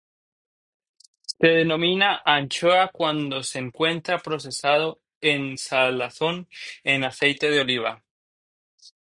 Se denomina anchoa cuando se encuentra procesado en salazón en aceite de oliva.